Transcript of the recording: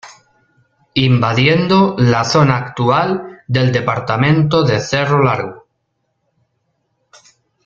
Invadiendo la zona actual del Departamento de Cerro Largo.